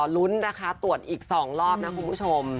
ลุ้นนะคะตรวจอีก๒รอบนะคุณผู้ชม